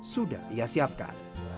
sudah ia siapkan